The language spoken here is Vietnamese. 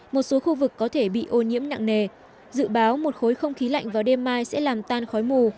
một số khu vực có thể bị ô nhiễm nặng nề dự báo một khối không khí lạnh vào đêm mai sẽ làm tan khói mù